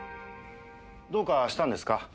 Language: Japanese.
どうかしたんですか？